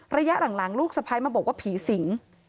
ระยะหลังลูกสะพ้ายมาบอกว่าผีสิง